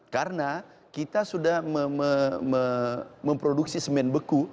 karena kita sudah memproduksi semen beku